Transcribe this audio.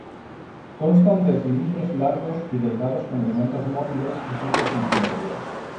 Constan de cilindros largos y delgados con elementos móviles y fijos en su interior.